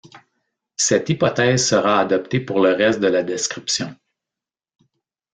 Cette hypothèse sera adoptée pour le reste de la description.